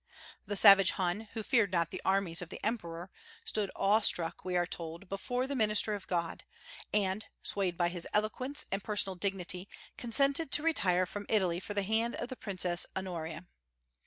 The savage Hun, who feared not the armies of the emperor, stood awe struck, we are told, before the minister of God; and, swayed by his eloquence and personal dignity, consented to retire from Italy for the hand of the princess Honoria.